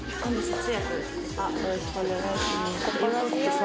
よろしくお願いします。